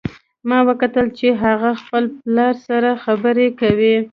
ما وکتل چې هغه خپل پلار سره خبرې کوي